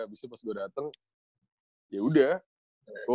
abis itu pas gue dateng yaudah